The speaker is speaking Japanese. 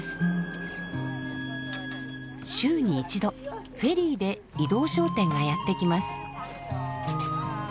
週に一度フェリーで移動商店がやって来ます。